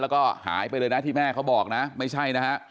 แล้วก็หายไปเลยนะที่แม่เขาบอกนะไม่ใช่นะฮะ